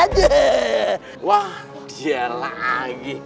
aduh wah dia lagi